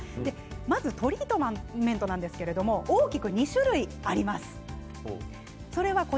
まずトリートメントなんですけど大きく２種類あります。